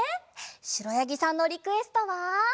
しろやぎさんのリクエストは。